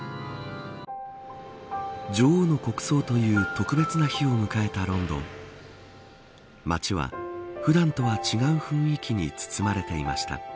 女王の国葬という特別な日を迎えたロンドン街は普段とは違う雰囲気に包まれていました。